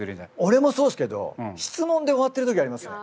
俺もそうですけど質問で終わってる時ありますね